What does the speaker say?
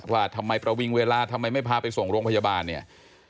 ว่าทำไมประวิงเวลาทำไมไม่พาไปส่งโรงพยาบาลเนี่ย